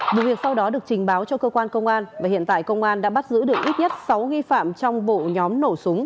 vụ việc sau đó được trình báo cho cơ quan công an và hiện tại công an đã bắt giữ được ít nhất sáu nghi phạm trong bộ nhóm nổ súng